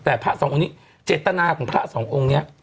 แต่พระสององค์นี้เจตนาของพระสององค์นี้